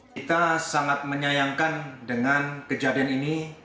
kita sangat menyayangkan dengan kejadian ini